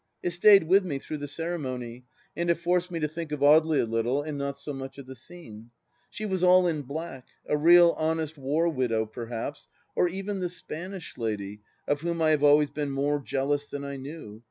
It stayed with me through the ceremony, and it forced me to think of Audely a little and not so much of the scene. She was all in black — a real, honest war widow, perhaps, or even the Spanish lady of whom I have always been more jealous than I knew?